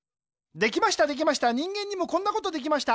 できましたできました人間にもこんなことできました。